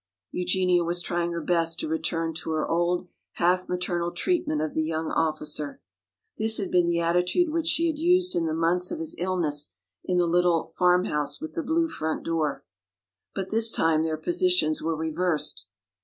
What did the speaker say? Eugenia was trying her best to return to her old half maternal treatment of the young officer. This had been the attitude which she had used in the months of his illness in the little "Farmhouse with the Blue Front Door." But this time their positions were reversed.